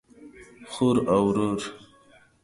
خور او ورور